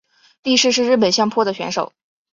力士是日本相扑的选手。